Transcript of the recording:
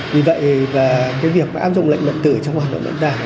vì vậy việc áp dụng lệnh tử trong hoạt động vận tải